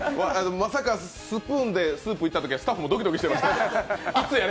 まさかスプーンでスープいったときはスタッフもドキドキしてました。